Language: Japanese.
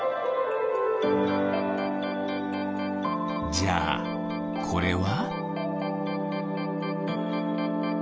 じゃあこれは？